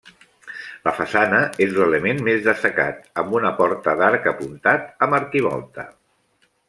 La façana és l'element més destacat, amb una porta d'arc apuntat amb arquivolta.